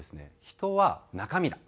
「人は中身だ。